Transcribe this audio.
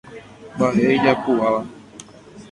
Mba'e ijapu'áva.